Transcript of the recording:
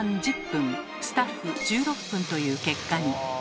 １０分スタッフ１６分という結果に。